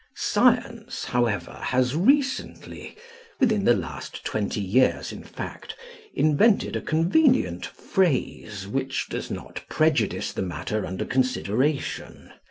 Science, however, has recently within the last twenty years in fact invented a convenient phrase, which does not prejudice the matter under consideration.